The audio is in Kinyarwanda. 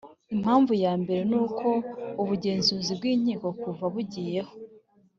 Impamvu ya mbere ni uko Ubugenzuzi bw’inkiko kuva bugiyeho